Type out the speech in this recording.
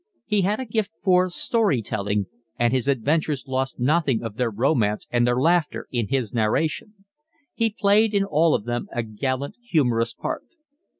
He had a gift for story telling, and his adventures lost nothing of their romance and their laughter in his narration. He played in all of them a gallant, humorous part.